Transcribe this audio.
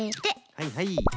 はいはい。